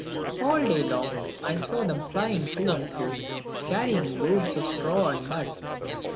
All day long I saw them flying to and fro, carrying loads of straw and mud.